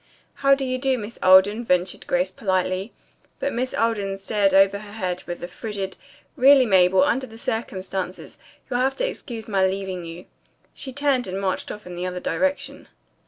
"How do you do, Miss Alden?" ventured Grace politely, but Miss Alden stared over her head and with a frigid, "Really, Mabel, under the circumstances, you'll have to excuse my leaving you," she turned and marched off in the other direction.